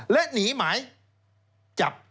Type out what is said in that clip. และหนีหมายจับ